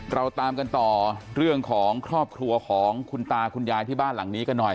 เราตามกันต่อเรื่องของครอบครัวของคุณตาคุณยายที่บ้านหลังนี้กันหน่อย